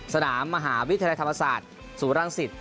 สนามมหาวิทยาลัยธรรมศาสตร์ศูนย์รังสิต